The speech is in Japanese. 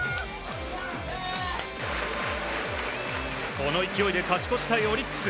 この勢いで勝ち越したいオリックス。